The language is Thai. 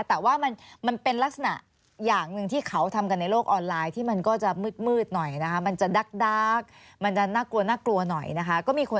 แต่ว่ามันเป็นลักษณะอย่างหนึ่งที่เขาทำกันในโลกออนไลน์